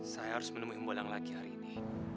saya harus menemui mbolang lagi hari ini